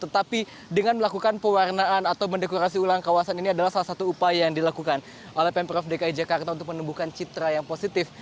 tetapi dengan melakukan pewarnaan atau mendekorasi ulang kawasan ini adalah salah satu upaya yang dilakukan oleh pemprov dki jakarta untuk menemukan citra yang positif